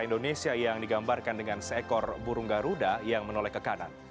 indonesia yang digambarkan dengan seekor burung garuda yang menoleh ke kanan